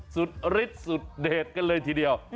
สุดฤทธิ์สุดเด็ดกันเลยทีเดียว